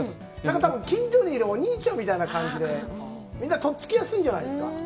近所にいるお兄ちゃんみたいな感じで、みんな、とっつきやすいんじゃないですか。